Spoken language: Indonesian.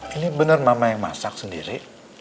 ini benar mama yang masak sendiri